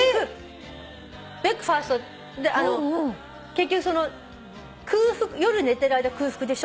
結局夜寝てる間空腹でしょ。